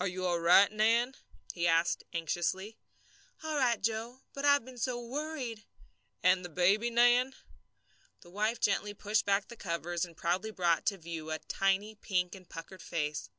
"Are you all right, Nan?" he asked anxiously. "All right, Joe; but I've been so worried!" "And the baby, Nan?" The wife gently pushed back the covers and proudly brought to view a tiny pink and puckered face.